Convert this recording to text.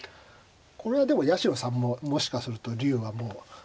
これはでも八代さんももしかすると竜はもう。